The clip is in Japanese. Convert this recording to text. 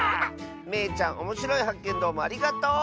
めいちゃんおもしろいはっけんどうもありがとう！